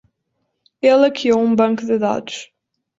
Ela hackeou um banco de dados.